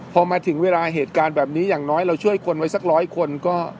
พอมาถึงเวลาเหตุการณ์แบบนี้อย่างน้อยเราช่วยคนไว้สักร้อยคนก็